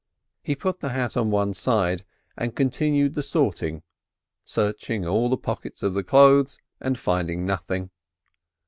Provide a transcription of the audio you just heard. He put the hat on one side, and continued the sorting, searching all the pockets of the clothes and finding nothing.